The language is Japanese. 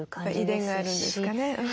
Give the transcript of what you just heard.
遺伝があるんですかね。